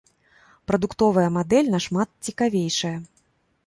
Прадуктовая мадэль нашмат цікавейшая.